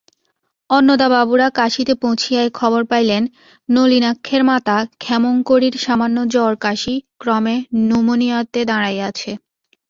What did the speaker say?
অন্নদাবাবুরা কাশীতে পৌঁছিয়াই খবর পাইলেন, নলিনাক্ষের মাতা ক্ষেমংকরীর সামান্য জ্বরকাসি ক্রমে ন্যুমোনিয়াতে দাঁড়াইয়াছে।